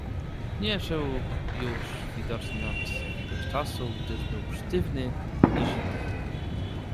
"Nie żył już widocznie od jakiegoś czasu, gdyż był sztywny i zimny."